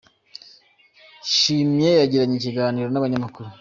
shimye yagiranye ikiganiro n’Abanyamakuru